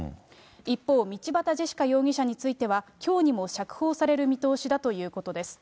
一方、道端ジェシカ容疑者については、きょうにも釈放される見通しだということです。